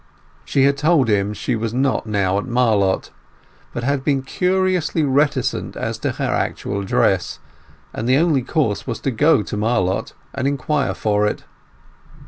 She had told him she was not now at Marlott, but had been curiously reticent as to her actual address, and the only course was to go to Marlott and inquire for it.